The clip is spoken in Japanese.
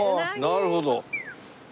なるほど。